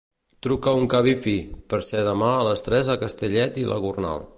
Truca un Cabify per ser demà a les tres a Castellet i la Gornal.